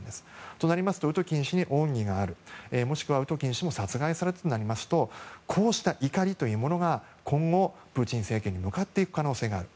となりますとウトキン氏に恩義があるもしくはウトキン氏も殺害されたとなるとこうした怒りというものが今後、プーチン政権に向かっていく可能性がある。